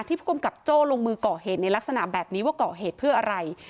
ผู้กำกับโจ้ลงมือก่อเหตุในลักษณะแบบนี้ว่าก่อเหตุเพื่ออะไร